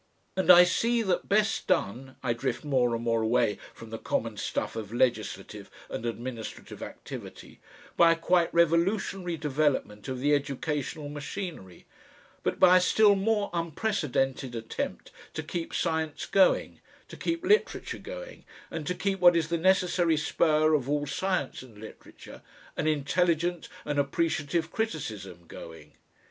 And I see that best done I drift more and more away from the common stuff of legislative and administrative activity by a quite revolutionary development of the educational machinery, but by a still more unprecedented attempt to keep science going, to keep literature going, and to keep what is the necessary spur of all science and literature, an intelligent and appreciative criticism going.